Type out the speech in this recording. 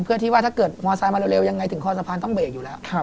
เพื่อที่ว่าถ้าเกิดมอไซค์มาเร็วยังไงถึงคอสะพานต้องเบรกอยู่แล้ว